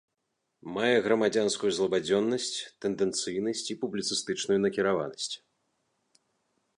Мае грамадзянскую злабадзённасць, тэндэнцыйнасць і публіцыстычную накіраванасць.